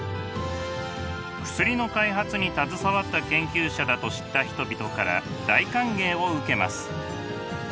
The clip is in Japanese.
薬の開発に携わった研究者だと知った人々から大歓迎を受けます。